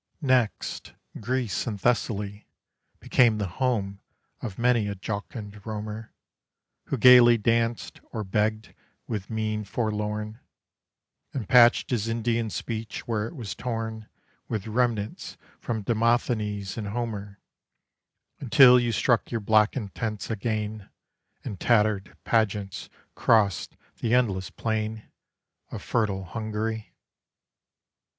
Next Greece and Thessaly Became the home of many a jocund roamer, Who gaily danced, or begged with mien forlorn, And patched his Indian speech where it was torn With remnants from Demosthenes and Homer, Until you struck your blackened tents again And tattered pageants crossed the endless plain Of fertile Hungary.